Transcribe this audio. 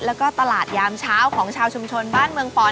และก็ตลาดยามชาวของชาวชมชนบ้านเมืองปรณ์